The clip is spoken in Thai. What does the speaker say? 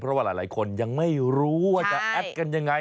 เพราะว่าหลายคนยังไม่รู้ว่าจะแอดกันยังไง